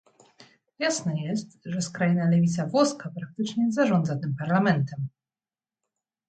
jasne jest, że skrajna lewica włoska praktycznie zarządza tym Parlamentem